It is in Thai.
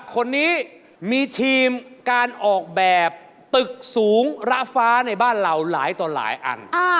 คนนี้มีทีมการออกแบบตึกสูงระฟ้าในบ้านเราหลายต่อหลายอัน